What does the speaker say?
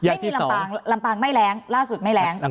ที่ลำปางลำปางไม่แรงล่าสุดไม่แรง